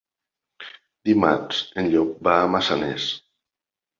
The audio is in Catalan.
Dimarts en Llop va a Massanes.